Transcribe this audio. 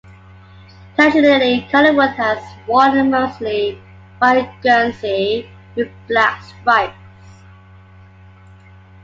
Traditionally, Collingwood has worn a mostly white guernsey with black stripes.